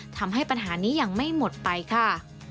ทำให้ปัญหานี้ยังไม่หมดไปค่ะ